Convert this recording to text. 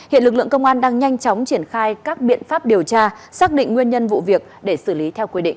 hiện lực lượng công an đang nhanh chóng triển khai các biện pháp điều tra xác định nguyên nhân vụ việc để xử lý theo quy định